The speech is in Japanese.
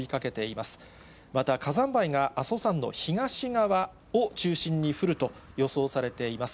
また火山灰が阿蘇山の東側を中心に降ると予想されています。